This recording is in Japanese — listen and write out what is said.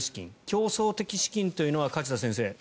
競争的資金というのは梶田先生